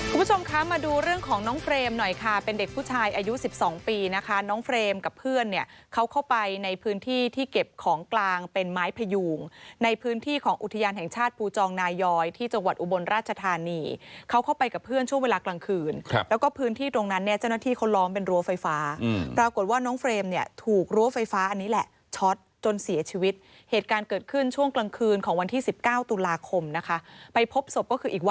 คุณผู้ชมค่ะมาดูเรื่องของน้องเฟรมหน่อยค่ะเป็นเด็กผู้ชายอายุ๑๒ปีนะคะน้องเฟรมกับเพื่อนเนี่ยเขาเข้าไปในพื้นที่ที่เก็บของกลางเป็นไม้ผยูงในพื้นที่ของอุทยานแห่งชาติภูจองนายอยที่จังหวัดอุบลราชธานีเขาเข้าไปกับเพื่อนช่วงเวลากลางคืนแล้วก็พื้นที่ตรงนั้นเนี่ยเจ้าหน้าที่เขาล้อมเป็นรัวไฟฟ้